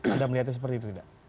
anda melihatnya seperti itu tidak